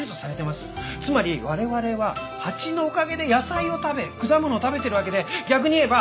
つまり我々は蜂のおかげで野菜を食べ果物を食べてるわけで逆に言えば。